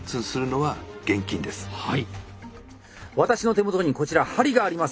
私の手元にこちら針があります。